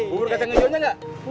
burr kacang hijaunya enggak